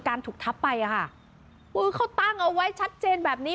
ถูกทับไปอ่ะค่ะคือเขาตั้งเอาไว้ชัดเจนแบบนี้